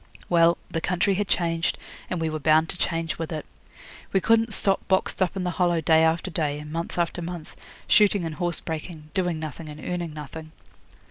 Well, the country had changed, and we were bound to change with it. We couldn't stop boxed up in the Hollow day after day, and month after month, shooting and horse breaking, doing nothing and earning nothing.